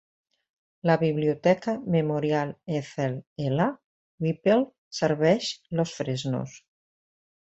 La Biblioteca Memorial Ethel L. Whipple serveix Los Fresnos.